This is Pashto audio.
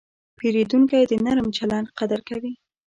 پیرودونکی د نرم چلند قدر کوي.